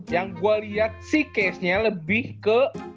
yang gue liat sih casenya lebih ke